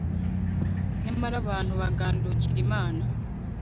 nyamara abantu bagandukira imana